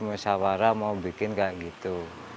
sama sawara mau bikin seperti itu